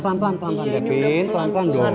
pelan pelan pelan pelan devin pelan pelan dong